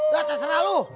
lah terserah lo